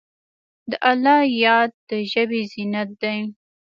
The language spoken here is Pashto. د الله یاد د ژبې زینت دی.